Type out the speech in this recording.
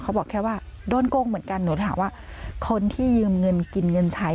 เขาบอกแค่ว่าโดนโกงเหมือนกันหนูถามว่าคนที่ยืมเงินกินเงินใช้